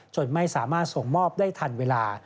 ไม่สามารถส่งมอบได้ทันเวลา